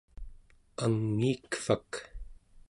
angiikvak